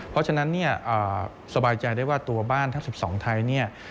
เพราะฉะนั้นสบายใจได้ว่าตัวบ้านทั้ง๑๒ไทย